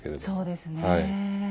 そうですね。